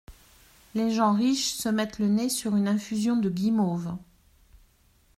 Les gens riches se mettent le nez sur une infusion de guimauve…